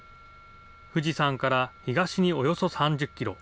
富士山から東におよそ３０キロ。